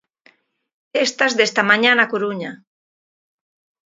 Estas desta mañá na Coruña.